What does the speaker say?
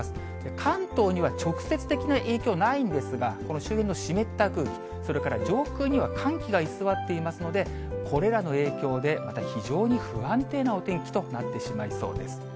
関東には直接的な影響はないんですが、この周辺の湿った空気、それから上空には寒気が居座っていますので、これらの影響で、また非常に不安定なお天気となってしまいそうです。